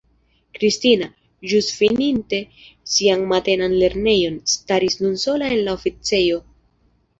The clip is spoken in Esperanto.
Kristina, ĵus fininte sian matenan lernejon, staris nun sola en la oficejo.